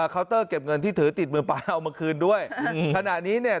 เตอร์เก็บเงินที่ถือติดมือป้าเอามาคืนด้วยขณะนี้เนี่ย